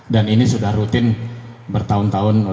dan ini sudah rutin bertahun tahun